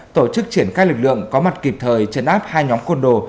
tổ chức triển khai lực lượng có mặt kịp thời trấn áp hai nhóm khuôn đồ